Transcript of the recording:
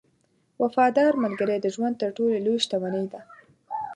• وفادار ملګری د ژوند تر ټولو لوی شتمنۍ ده.